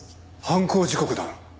犯行時刻だ。